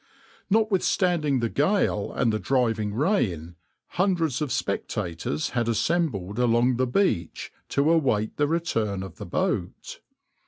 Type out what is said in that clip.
Notwithstanding the gale and the driving rain, hundreds of spectators had assembled along the beach to await the return of the boat.